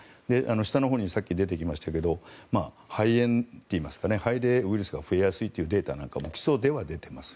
下のほうにさっき出てきましたけど肺炎といいますか肺でウイルスが増えやすいというデータなんかも基礎では出てます。